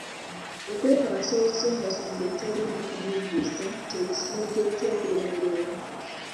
Okwekwasa obusongasonga obutaliimu kanigguusa kye kisumuluzo ky'okulemererwa.